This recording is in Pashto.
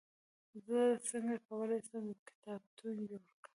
زه څنګه کولای سم، یو کتابتون جوړ کړم؟